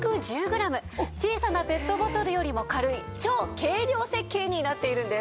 小さなペットボトルよりも軽い超軽量設計になっているんです。